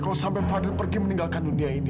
kalau sampai fadil pergi meninggalkan dunia ini